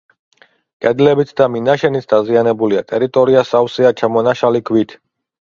კედლებიც და მინაშენიც დაზიანებულია; ტერიტორია სავსეა ჩამონაშალი ქვით.